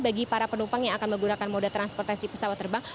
bagi para penumpang yang akan menggunakan moda transportasi pesawat terbang